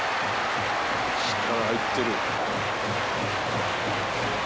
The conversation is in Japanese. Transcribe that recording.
力入ってる。